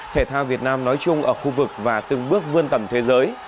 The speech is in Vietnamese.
thể thao việt nam nói chung ở khu vực và từng bước vươn tầm thế giới